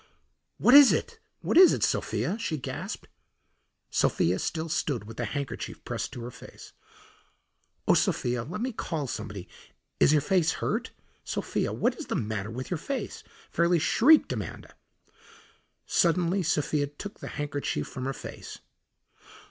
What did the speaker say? "What is it? What is it, Sophia?" she gasped. Sophia still stood with the handkerchief pressed to her face. "Oh, Sophia, let me call somebody. Is your face hurt? Sophia, what is the matter with your face?" fairly shrieked Amanda. Suddenly Sophia took the handkerchief from her face.